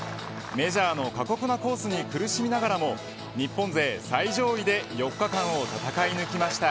メジャーの過酷なコースに苦しみながらも日本勢最上位で４日間を戦い抜きました。